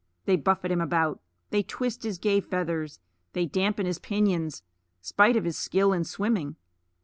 They buffet him about; they twist his gay feathers; they dampen his pinions, spite of his skill in swimming.